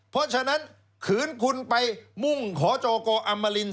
เพราะฉะนั้นขืนคุณไปมุ่งขอจกอำมาริน